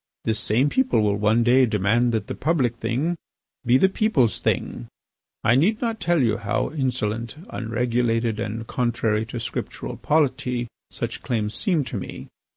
This same people will one day demand that the public thing be the people's thing. I need not tell you how insolent, unregulated, and contrary to Scriptural polity such claims seem to me.